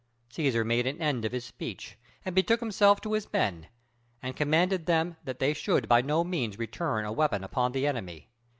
Cæsar made an end of his speech and betook himself to his men; and commanded them that they should by no means return a weapon upon the enemy.